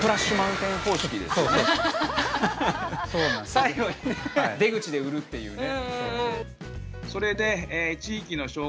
最後に出口で売るっていうね。